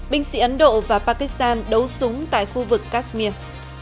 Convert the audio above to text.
binh sĩ ấn độ và pakistan đấu súng tại khu vực kashmir